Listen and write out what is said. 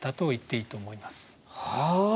はあ。